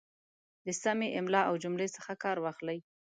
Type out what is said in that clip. د سمې املا او جملې څخه کار واخلئ